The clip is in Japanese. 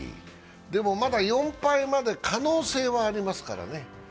でもまだ４敗まで可能性はありますからね。